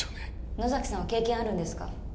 野崎さんは経験あるんですか？